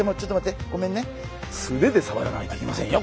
素手でさわらないといけませんよ！